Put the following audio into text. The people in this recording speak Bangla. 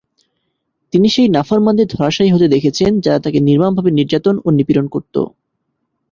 তিনি সেই নাফরমানদের ধরাশায়ী হতে দেখেছেন যারা তাঁকে নির্মম ভাবে নির্যাতন ও নিপীড়ন করত।